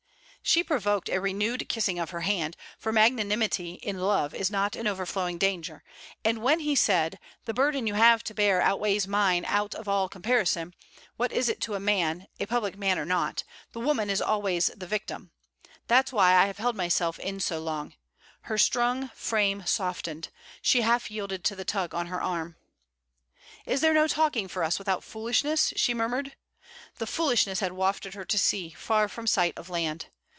She provoked a renewed kissing of her hand; for magnammity in love is an overflowing danger; and when he said: 'The burden you have to bear outweighs mine out of all comparison. What is it to a man a public man or not! The woman is always the victim. That's why I have held myself in so long: her strung frame softened. She half yielded to the tug on her arm. 'Is there no talking for us without foolishness?' she murmured. The foolishness had wafted her to sea, far from sight of land.